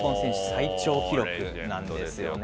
最長記録なんですよね。